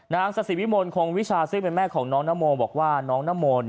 ศาสิวิมลคงวิชาซึ่งเป็นแม่ของน้องนโมบอกว่าน้องนโม